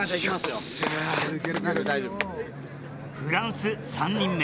フランス３人目。